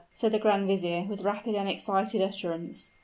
said the grand vizier, with rapid and excited utterance.